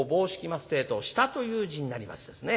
ってえと下という字になりますですね。